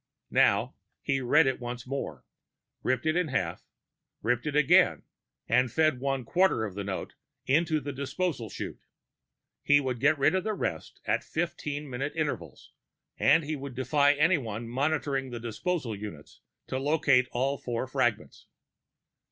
Now, he read it once more, ripped it in half, ripped it again, and fed one quarter of the note into the disposal chute. He would get rid of the rest at fifteen minute intervals, and he would defy anyone monitoring the disposal units to locate all four fragments.